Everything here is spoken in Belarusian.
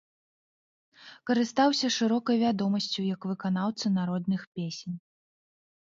Карыстаўся шырокай вядомасцю як выканаўца народных песень.